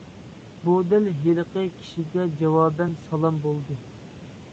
بۇ دەل ھېلىقى كىشىگە جاۋابەن سالام بولدى.